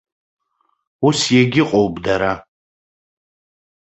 Ус иагьыҟоуп дара.